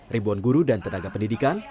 ribuan guru dan tenaga pendidikan